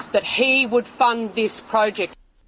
dia akan mengundang proyek ini